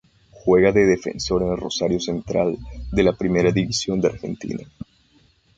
Juega de defensor en Rosario Central de la Primera División de Argentina.